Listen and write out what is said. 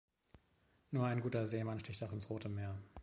Nur ein guter Seemann sticht auch ins rote Meer.